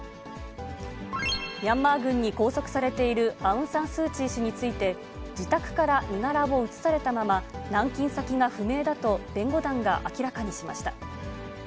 ミャンマー軍に拘束されているアウン・サン・スー・チー氏について、自宅から身柄を移されたまま軟禁先が不明だと、弁護団が明らかにしました。